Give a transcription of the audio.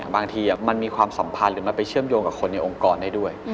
บางทีมันมีความสัมพันธ์หรือมันไปเชื่อมโยงกับคนในองค์กรได้ด้วย